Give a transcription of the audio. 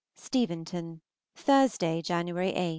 STEVENTON, Thursday (January 8).